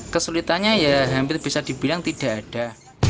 kesulitannya ya hampir bisa dibilang tidak ada